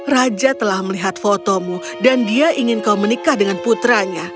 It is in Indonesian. raja telah melihat fotomu dan dia ingin kau menikah dengan putranya